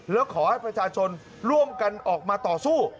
แล้วขอให้ประชาชนร่วมกันออกมาต่อสู้